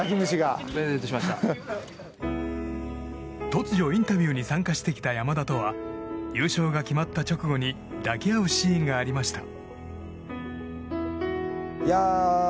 突如、インタビューに参加してきた山田とは優勝が決まった直後に抱き合うシーンがありました。